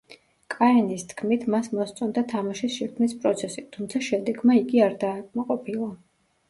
კაენის თქმით, მას მოსწონდა თამაშის შექმნის პროცესი, თუმცა შედეგმა იგი არ დააკმაყოფილა.